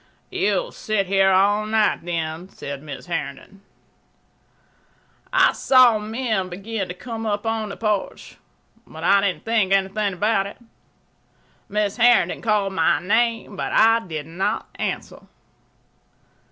"You'll sit here all night, then," said Mrs. Herndon. I saw men begin to come upon the porch, but I didn't think anything about it. Mrs. Herndon called my name, but I did not answer.